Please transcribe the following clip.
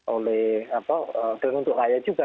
oleh dan untuk rakyat juga